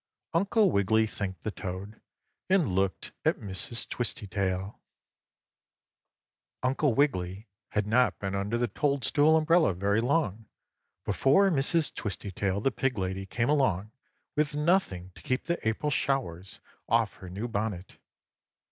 Uncle Wiggily thanked the toad, and looked at Mrs. Twistytail. 3. Uncle Wiggily had not been under the toadstool umbrella very long before Mrs. Twistytail, the pig lady, came along, with nothing to keep the April showers off her new bonnet.